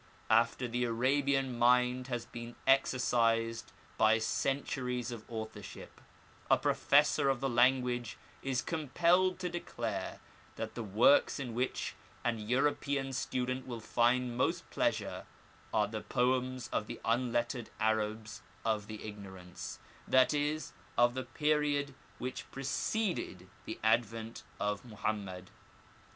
After the Arabian mind has been exercised by centuries of authorship, a professor of the language is compelled to declare that the works in which an European student will find most pleasure are the poems of the unlettered Arabs of the Ignorance, that is, of the period which preceded the advent of Mohammed.